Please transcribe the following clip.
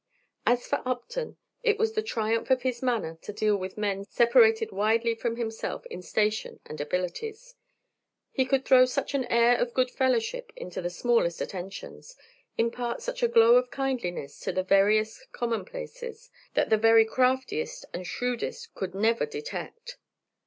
As for Upton, it was the triumph of his manner to deal with men separated widely from himself in station and abilities. He could throw such an air of good fellowship into the smallest attentions, impart such a glow of kindliness to the veriest commonplaces, that the very craftiest and shrewdest could never detect.